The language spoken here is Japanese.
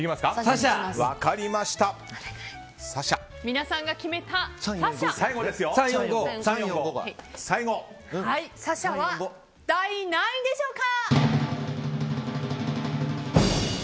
皆さんが決めた紗々は第何位でしょうか。